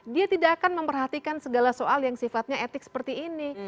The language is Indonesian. dia tidak akan memperhatikan segala soal yang sifatnya etik seperti ini